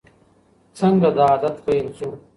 څنګه دا عادت پیل شو؟